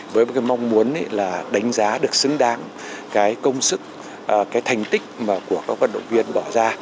với mong muốn đánh giá được xứng đáng công sức thành tích của các vận động viên bỏ ra